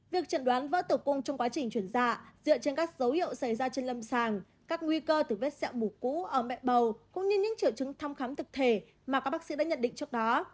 việc trần đoán vỡ tử cung trong quá trình chuyển dạ dựa trên các dấu hiệu xảy ra trên lâm sàng các nguy cơ từ vết sẹo mủ cũ ở mẹ bầu cũng như những triệu chứng thăm khám thực thể mà các bác sĩ đã nhận định trước đó